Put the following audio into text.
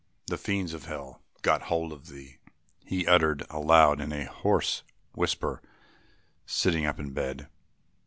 "The fiends of hell get hold of thee," he uttered aloud in a hoarse whisper, sitting up in bed.